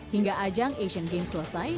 hingga ajang asian games selesai